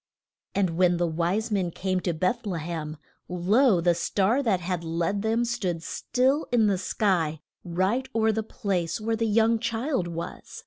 And when the wise men came to Beth le hem, lo, the star that had led them stood still in the sky, right o'er the place where the young child was.